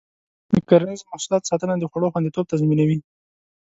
د کرنیزو محصولاتو ساتنه د خوړو خوندیتوب تضمینوي.